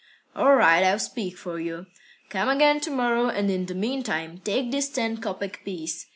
"All right, I'll speak for you. Come again to morrow, and in the meantime take this ten kopek piece.